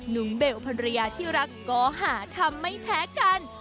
น้องเบลภรรยาที่รักก็หาทำไม่แพ้กัน